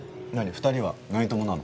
２人は何友なの？